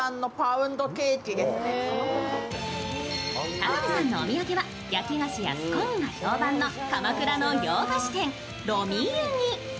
田辺さんのお土産は焼き菓子やスコーンが人気の鎌倉の洋菓子店、ロミユニ。